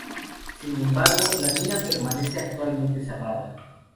Sin embargo, la mina permanece actualmente cerrada.